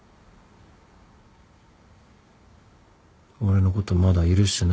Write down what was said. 俺のことまだ許してないだろうし。